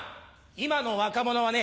今の若者はね